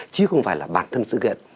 chứ không phải là bản thân sự kiện